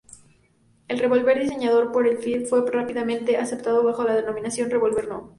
El revolver diseñado por Enfield fue rápidamente aceptado bajo la denominación Revolver No.